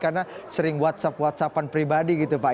karena sering whatsapp whatsappan pribadi gitu